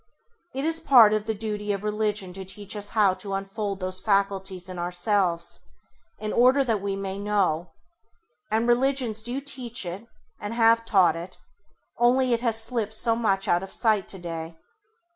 It is part of the duty of religion to teach us how to unfold those faculties in ourselves in order that we may know, and religions do teach it and have taught it, only it has slipped so much out of sight today.